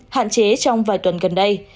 hạn chế trong vài tuần gần đây